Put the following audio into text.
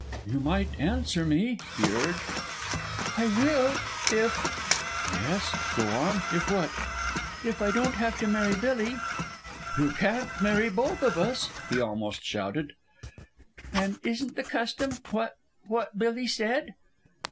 "You might answer me," he urged. "I will... if " "Yes, go on. If what?" "If I don't have to marry Billy." "You can't marry both of us," he almost shouted. "And it isn't the custom... what... what Billy said?"